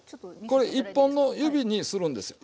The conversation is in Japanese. これ１本の指にするんですよ。